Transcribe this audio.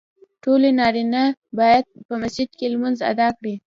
ټولو نارینه باید په مسجد کې لمونځ ادا کړي .